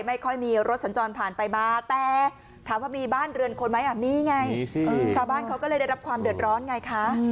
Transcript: ไม่ค่อยมีรถสัญจรผ่านไปมาแต่ถามว่ามีบ้านเรือนคนไหมมีไงชาวบ้านเขาก็เลยได้รับความเดือดร้อนไงคะ